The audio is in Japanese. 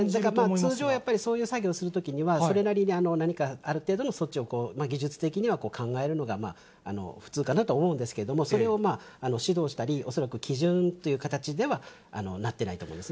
通常やっぱり、そういう作業するときにはそれなりに、何かある程度の措置を、技術的には考えるのが普通かなと思うんですけれども、それをまあ、指導したり、恐らく基準という形では、なってないと思うんです。